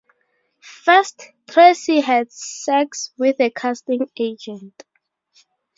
First, Traci has sex with a casting agent.